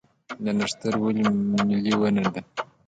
نښتر ولې ملي ونه ده؟